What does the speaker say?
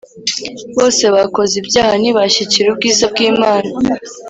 bose bakoze ibyaha, ntibashyikira ubwiza bw'Imana